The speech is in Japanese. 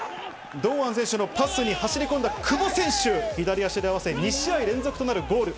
堂安選手のパスに走り込んだ久保選手が左足で合わせ、２試合連続となるゴール。